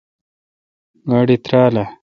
گاڑی ترال اؘ۔